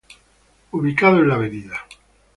Ubicado en la Av.